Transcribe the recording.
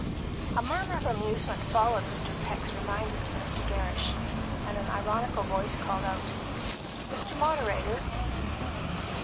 A murmur of amusement followed Mr. Peck's reminder to Mr. Gerrish, and an ironical voice called out "Mr. Moderator!"